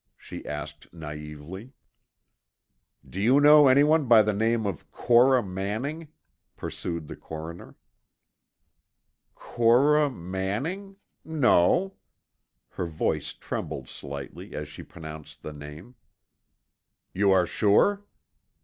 she asked naïvely. "Do you know anyone by the name of Cora Manning?" pursued the coroner. "Cora Manning? No." Her voice trembled slightly as she pronounced the name. "You are sure?"